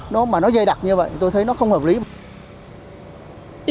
nó mà nó dây đặc như vậy tôi thấy nó không hợp lý